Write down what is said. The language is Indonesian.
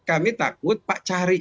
kami takut pak cari